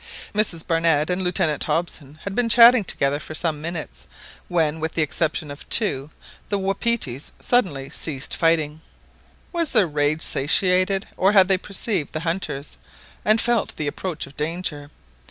Mrs Barnett and Lieutenant Hobson had been chatting together for some minutes, when, with the exception of two, the wapitis suddenly ceased fighting. Was their rage satiated? or had they perceived the hunters, and felt the approach of danger?